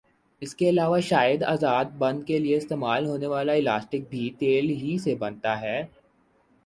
اس کے علاوہ شاید آزار بند کیلئے استعمال ہونے والا الاسٹک بھی تیل ہی سے بنتا ھے